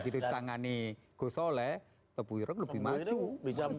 begitu ditangani gus solah tepu yurek lebih maju